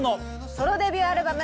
ソロデビューアルバム